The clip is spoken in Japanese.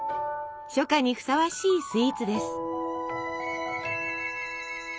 初夏にふさわしいスイーツです。